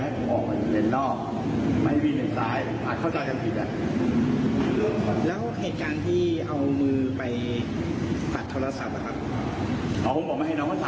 อืมอืมอืม